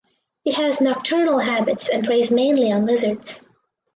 It has nocturnal habits and preys mainly on lizards.